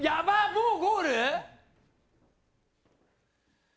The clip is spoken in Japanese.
もうゴール？